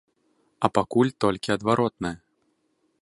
А пакуль толькі адваротнае.